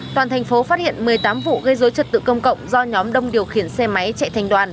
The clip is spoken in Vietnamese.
toàn thành phố phát hiện một mươi tám vụ gây dối trật tự công cộng do nhóm đông điều khiển xe máy chạy thành đoàn